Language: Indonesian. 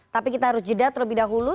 tapi kita harus jeda terlebih dahulu